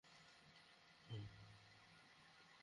তাবীর জানতে লাঈছ বিন মোশানের কাছে যায়।